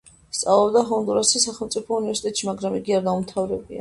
სწავლობდა ჰონდურასის სახელმწიფო უნივერსიტეტში, მაგრამ იგი არ დაუმთავრებია.